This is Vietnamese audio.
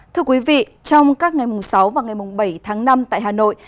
thưa quý vị trong các ngày mùng sáu và ngày bảy tháng năm tại hà nội